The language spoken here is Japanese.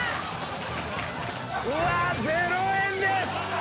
うわ０円です！